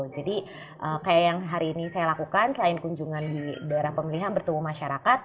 jadi kayak yang hari ini saya lakukan selain kunjungan di daerah pemilihan bertemu masyarakat